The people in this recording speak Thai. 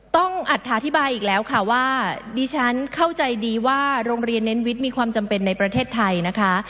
อัฐาธิบายอีกแล้วค่ะว่าดิฉันเข้าใจดีว่าโรงเรียนเน้นวิทย์มีความจำเป็นในประเทศไทยนะคะ